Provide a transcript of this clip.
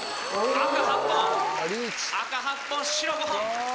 赤８本白５本。